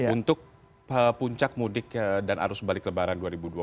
untuk puncak mudik dan arus balik lebaran dua ribu dua puluh